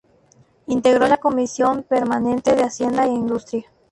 Integró la Comisión permanente de Hacienda e Industria.